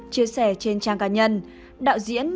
chia sẻ trên trang cá nhân đạo diễn